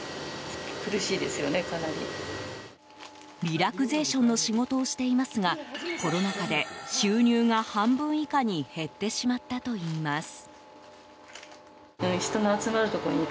リラクゼーションの仕事をしていますがコロナ禍で収入が半分以下に減ってしまったといいます。